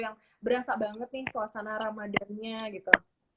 yang berasa banget nih suasana ramadan nya gitu